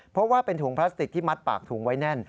เพราะว่าเป็นถุงพลาสติกที่มัดปากถุงไว้แน่น